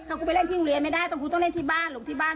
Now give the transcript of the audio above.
ถ้ากูไปเล่นที่โรงเรียนไม่ได้ต้องกูเล่นที่บ้านหรือที่บ้าน